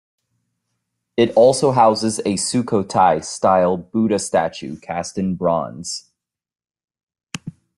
It also houses a Sukhothai-style Buddha statue cast in bronze.